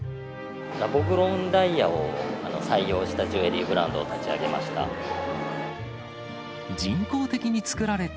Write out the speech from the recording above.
ラボグロウンダイヤを採用したジュエリーブランドを立ち上げました。